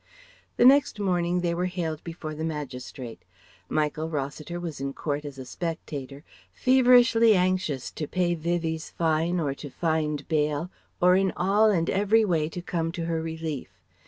The next morning they were haled before the magistrate. Michael Rossiter was in court as a spectator, feverishly anxious to pay Vivie's fine or to find bail, or in all and every way to come to her relief.